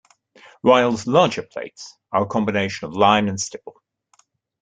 Ryall's larger plates are a combination of line and stipple.